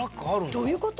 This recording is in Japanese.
どういうこと？